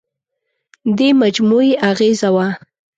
دې مجموعې اغېزه وه.